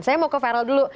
saya mau ke feral dulu